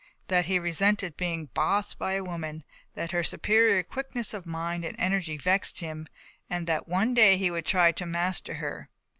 That he resented being "bossed" by a woman, that her superior quickness of mind and energy vexed him and that one day he would try to master her.